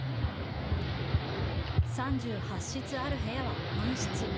３８室ある部屋は満室。